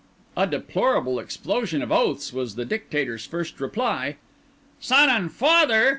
A deplorable explosion of oaths was the Dictator's first reply. "Son and father?"